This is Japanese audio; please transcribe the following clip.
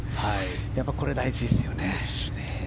やっぱりこれ、大事ですよね。